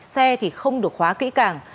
xe thì không được khóa kỹ càng